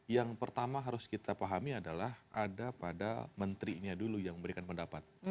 yang pertama harus kita pahami adalah ada pada menterinya dulu yang memberikan pendapat